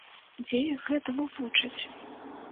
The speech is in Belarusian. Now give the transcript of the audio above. Дзе іх гэтаму вучаць?